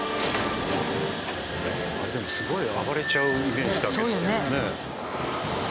あれでもすごい暴れちゃうイメージだけど。